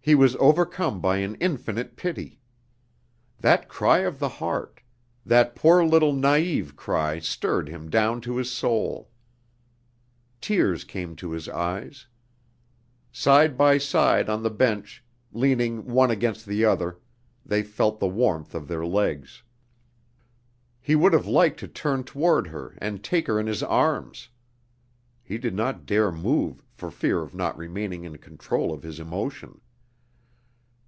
He was overcome by an infinite pity. That cry of the heart, that poor little naïve cry stirred him down to his soul. Tears came to his eyes. Side by side on the bench, leaning one against the other, they felt the warmth of their legs. He would have liked to turn toward her and take her in his arms. He did not dare move for fear of not remaining in control of his emotion.